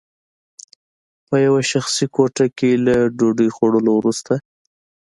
په یوه شخصي کوټه کې له ډوډۍ خوړلو وروسته